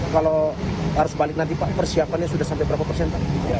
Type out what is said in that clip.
kalau arus balik nanti pak persiapannya sudah sampai berapa persen